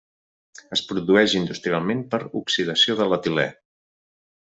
Es produeix industrialment per oxidació de l'etilè.